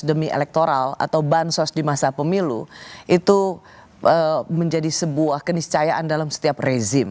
demi elektoral atau bansos di masa pemilu itu menjadi sebuah keniscayaan dalam setiap rezim